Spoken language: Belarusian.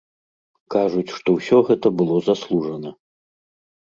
Кажуць, што ўсё гэта было заслужана.